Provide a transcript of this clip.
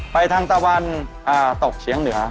ไปทางตะวันตกเฉียงเหนือ